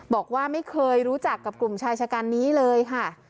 บอกว่าไม่เคยรู้จักกับกลุ่มชายชะกันนี้เลยค่ะ